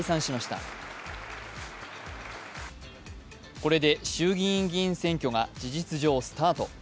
これで衆議院議員選挙が事実上スタート。